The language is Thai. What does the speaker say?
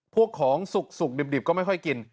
พวกของสุกดิบก็ไม่ค่อยกิน